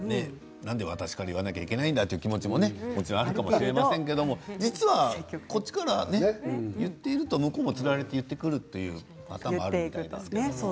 なんで私から言わなければいけないんだという気持ちもあるかもしれませんけど実はこっちから言っていると向こうもつられて言ってくるというのはありますよね。